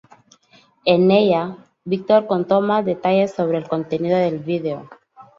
En ella, Víctor contó más detalles sobre el contenido del vídeo.